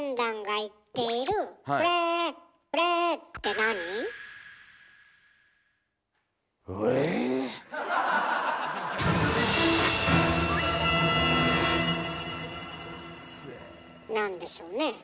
何でしょうね？